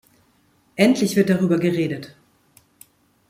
Endlich wird darüber geredet!